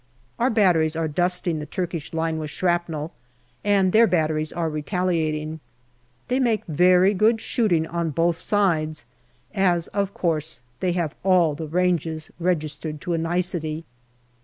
Our batteries are dusting the Turkish line with shrapnel, and their batteries are retaliating. They make very good shooting on both sides, as, of course, they have all ranges registered to a nicety.